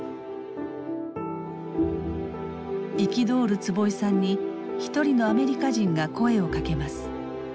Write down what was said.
憤る坪井さんに一人のアメリカ人が声をかけます。